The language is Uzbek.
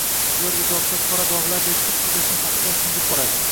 Ular uzoqda qora dog’lardek qip-qizil shafaqqa singib boradi.